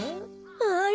あれ？